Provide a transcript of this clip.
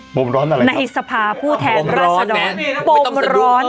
อะไรครับในสภาพหัวแทนรัศดอล